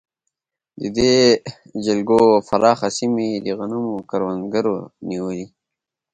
د دې جلګو پراخه سیمې د غنمو کروندو نیولې.